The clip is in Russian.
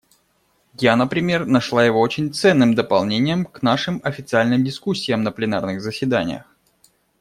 Я, например, нашла его очень ценным дополнением к нашим официальным дискуссиям на пленарных заседаниях.